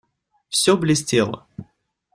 Всё блестело.